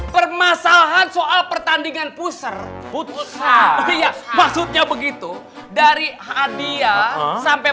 permasalahan soal pertandingan pusar putusan iya maksudnya begitu dari hadiah sampai